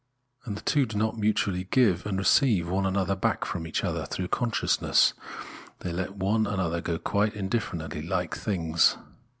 And the two do not mutually give and receive one another back from each other through consciousness ; they let one another go quite indifferently, hke things.